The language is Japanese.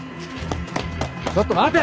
ちょっと待て！